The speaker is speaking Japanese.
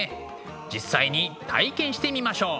実際に体験してみましょう。